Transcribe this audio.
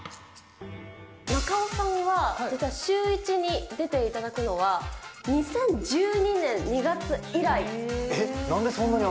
中尾さんは、実はシューイチに出ていただくのは２０１２年２月以来。